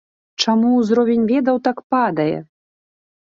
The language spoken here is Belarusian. Чаму ўзровень ведаў так падае?